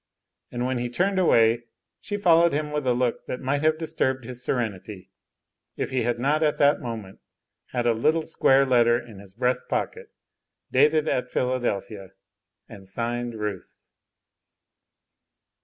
And when he turned away she followed him with a look that might have disturbed his serenity, if he had not at the moment had a little square letter in his breast pocket, dated at Philadelphia, and signed "Ruth."